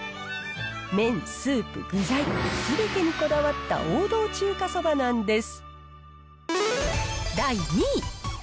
麺、スープ、具材、すべてにこだわった王道中華そばなんです。